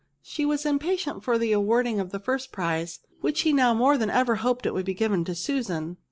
She was impatient for the awarding of the first prize, which she now more than ever hoped would be given to Susan.